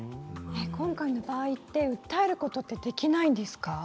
今回の場合は訴えることはできないんですか。